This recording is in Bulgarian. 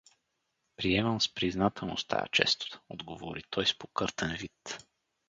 — Приемам с признателност тая чест — отговори той с покъртен вид.